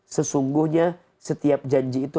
sesungguhnya setiap janji itu